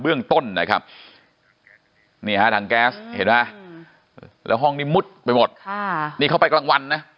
เบื้องต้นนะครับ